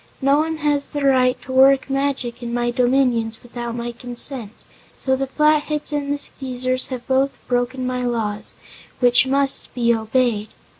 No one has the right to work magic in my dominions without my consent, so the Flatheads and the Skeezers have both broken my laws which must be obeyed."